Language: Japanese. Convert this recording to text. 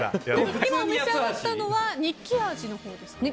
今召し上がったのはニッキ味のほうですね。